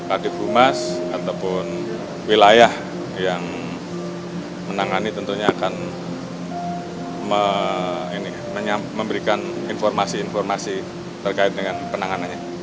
adik humas ataupun wilayah yang menangani tentunya akan memberikan informasi informasi terkait dengan penanganannya